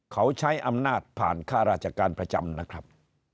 เขาใช้อำนาจผ่านค่าราชการประจำนะครับ